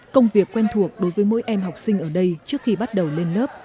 công việc quen thuộc đối với mỗi em học sinh ở đây trước khi bắt đầu lên lớp